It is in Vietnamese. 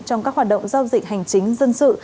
trong các hoạt động giao dịch hành chính dân sự